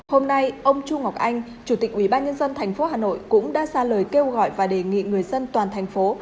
hôm nay ông chu ngọc anh chủ tịch ubnd tp hà nội cũng đã ra lời kêu gọi và đề nghị người dân toàn thành phố